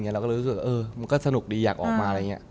เราก็เลยรู้สึกว่ามันก็สนุกดีอยากออกมาอะไรอย่างนี้